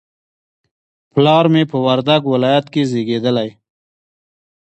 پلار مې په وردګ ولایت کې زیږدلی